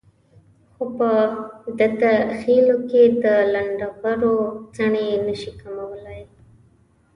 خو په دته خېلو کې د لنډغرو څڼې نشي کمولای.